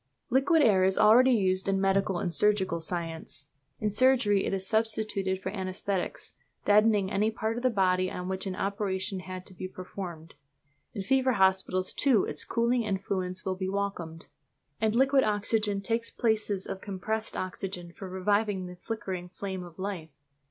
Liquid air is already used in medical and surgical science. In surgery it is substituted for anæsthetics, deadening any part of the body on which an operation has to be performed. In fever hospitals, too, its cooling influence will be welcomed; and liquid oxygen takes the places of compressed oxygen for reviving the flickering flame of life.